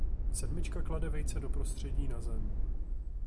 Samička klade vejce do prostředí na zem.